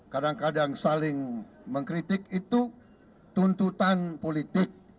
kadang kadang saling mengkritik itu tuntutan politik